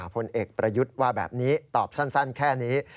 ผลเอกประยุทธ์ว่าแบบนี้ตอบสั้นแค่นี้